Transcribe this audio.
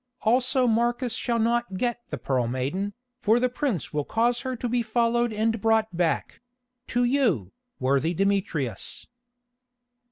Also Marcus shall not get the Pearl Maiden, for the prince will cause her to be followed and brought back—to you, worthy Demetrius."